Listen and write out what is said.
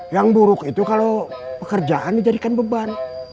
yang buruk itu kalau pekerjaan dijadikan beban